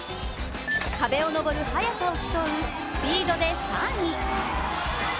壁をのぼる速さを競うスピードで３位。